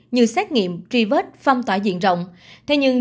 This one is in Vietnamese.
như xét nghiệm tri vết phong tỏa diện rộng